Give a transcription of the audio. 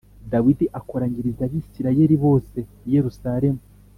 dawidi akoranyiriza abisirayeli bose i yerusalemu